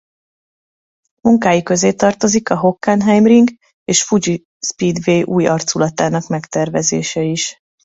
Munkái közé tartozik a Hockenheimring és Fuji Speedway új arculatának megtervezése is.